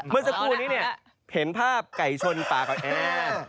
เมื่อสักครู่นี้เนี่ยเห็นภาพไก่ชนป่ากับแอร์